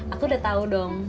aku udah tau dong